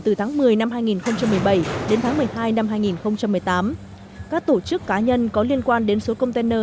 từ tháng một mươi năm hai nghìn một mươi bảy đến tháng một mươi hai năm hai nghìn một mươi tám các tổ chức cá nhân có liên quan đến số container